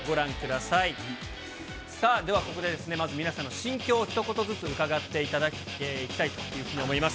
さあ、ではここで、まず皆さんの心境をひと言ずつ、伺っていきたいというふうに思います。